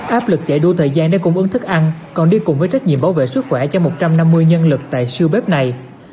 áp lực chạy đua thời gian để cung ứng thức ăn còn đi cùng với trách nhiệm bảo vệ sức khỏe cho một trăm năm mươi nhân lực tại siêu bếp này